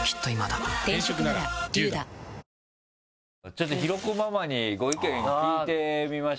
ちょっと広子ママにご意見聞いてみましょうか。